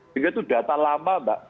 sehingga itu data lama mbak